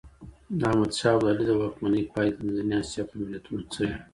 د احمد شاه ابدالي د واکمنۍ پایلې د منځنۍ اسیا پر ملتونو څه وي؟